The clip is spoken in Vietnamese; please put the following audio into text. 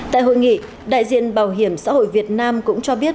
tại hội nghị đại diện bảo hiểm xã hội việt nam cũng cho biết